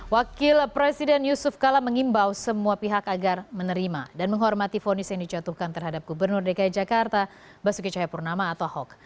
wakil presiden yusuf kala mengimbau semua pihak agar menerima dan menghormati fonis yang dijatuhkan terhadap gubernur dki jakarta basuki cahayapurnama atau ahok